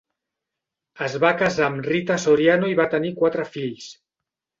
Es va casar amb Rita Soriano i va tenir quatre fills.